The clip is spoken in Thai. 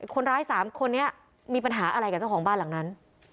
คนร้าย๓คนนี้มีปัญหาอะไรกับเจ้าของบ้านหลังนั้น